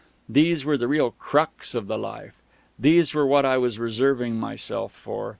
These were the real crux of the "Life." These were what I was reserving myself for.